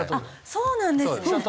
そうなんですね。